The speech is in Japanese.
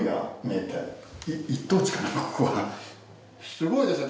すごいですね